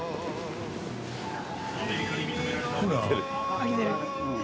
あげてる。